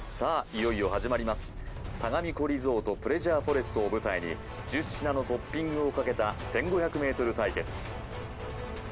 いよいよ始まりますさがみ湖リゾートプレジャーフォレストを舞台に１０品のトッピングをかけた１５００ｍ対決